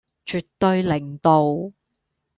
絕對零度